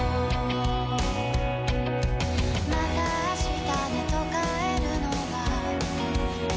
「また明日ねと帰るのは」